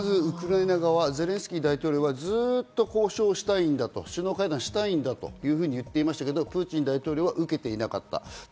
ウクライナ側、ゼレンスキー大統領はずっと交渉したい、首脳会談したいというふうに言っていましたけど、プーチン大統領は受けていなかった。